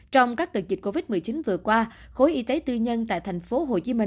trong các đợt dịch covid một mươi chín vừa qua khối y tế tư nhân tại tp hcm